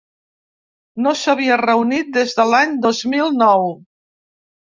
No s’havia reunit des de l’any dos mil nou.